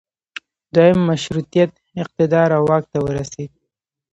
دویم مشروطیت اقتدار او واک ته ورسید.